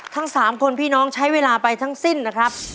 ทั้ง๓คนพี่น้องใช้เวลาไปทั้งสิ้นนะครับ